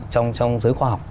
trong giới khoa học